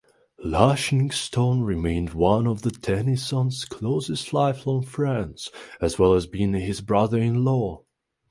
Lushingston remained one of Tennyson's closest lifelong friends, as well as being his brother-in-law.